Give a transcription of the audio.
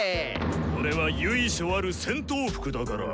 これは由緒ある戦闘服だから。